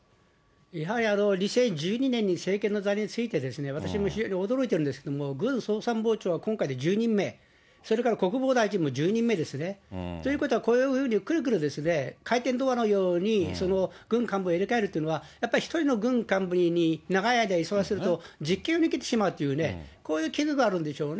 やはり、２０１２年に政権の座に就いてですね、私も非常に驚いてるんですけれども、軍総参謀長は今回で１０人目、それから国防大臣も１０人目ですね。ということは、このようにくるくる回転ドアのように、軍幹部を入れ替えるっていうのは、やっぱり１人の軍幹部に長い間いすに座らせていると、実権を握ってしまうというね、こういう懸念があるんでしょうね。